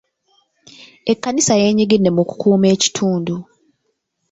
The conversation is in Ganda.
Ekkanisa y'enyigidde mu kukuuma ekitundu.